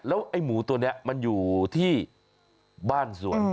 แล้วไอ้หมูตัวนี้มันอยู่ที่บ้านสวน